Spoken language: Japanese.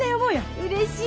うれしい！